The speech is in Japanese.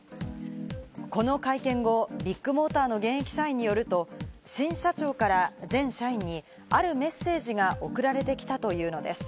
この会見後、ビッグモーターの現役社員によると、新社長から全社員にあるメッセージが送られてきたというのです。